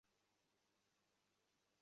আদালতের অবগতির জন্য আপনার নাম বলুন।